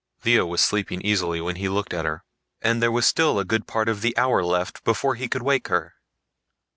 Lea was sleeping easily when he looked at her, and there was still a good part of the hour left before he could wake her.